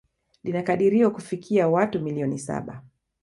Linakadiriwa kufikia watu milioni saba